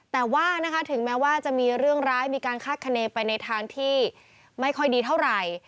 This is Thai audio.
แต่ว่านะคะถึงแม้ว่าจะมีเรื่องร้ายมีการคาดคณีไปในทางที่ไม่ค่อยดีเท่าไหร่